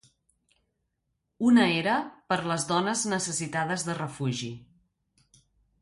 Una era per les dones necessitades de refugi.